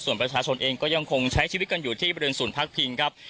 ส่วนประชาชนเองก็ยังคงใช้ชีวิตกันอยู่ที่บริเวณศูนย์พักพิงครับ